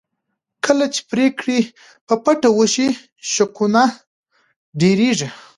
کله چې پرېکړې په پټه وشي شکونه ډېرېږي